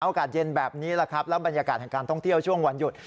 อากาศเย็นแบบนี้แหละครับแล้วบรรยากาศแห่งการท่องเที่ยวช่วงวันหยุด